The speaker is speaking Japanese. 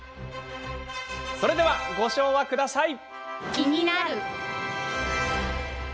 それでは、ご唱和ください。